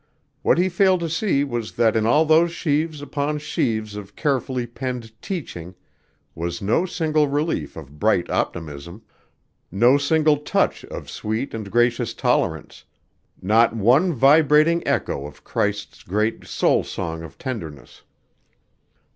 What he failed to see was that in all those sheaves upon sheaves of carefully penned teaching, was no single relief of bright optimism, no single touch of sweet and gracious tolerance, not one vibrating echo of Christ's great soul song of tenderness.